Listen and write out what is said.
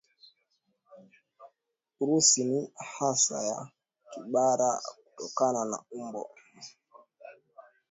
Urusi ni hasa ya kibara kutokana na umbo